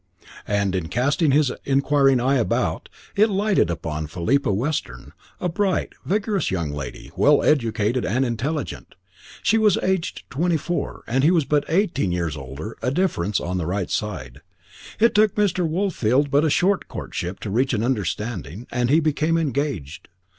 And in casting his inquiring eye about, it lighted upon Philippa Weston, a bright, vigorous young lady, well educated and intelligent. She was aged twenty four and he was but eighteen years older, a difference on the right side. It took Mr. Woolfield but a short courtship to reach an understanding, and he became engaged.